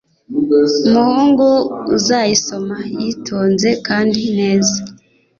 umuhungu uzayisoma yitonze kandi neza.